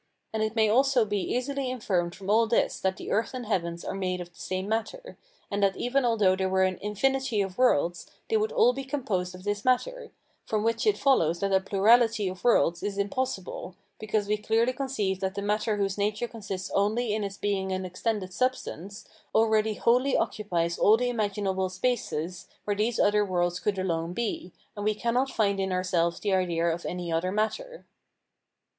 And it may also be easily inferred from all this that the earth and heavens are made of the same matter; and that even although there were an infinity of worlds, they would all be composed of this matter; from which it follows that a plurality of worlds is impossible, because we clearly conceive that the matter whose nature consists only in its being an extended substance, already wholly occupies all the imaginable spaces where these other worlds could alone be, and we cannot find in ourselves the idea of any other matter.